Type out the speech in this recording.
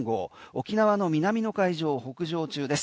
沖縄の南の海上を北上中です。